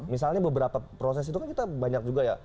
misalnya beberapa proses itu kan kita banyak juga ya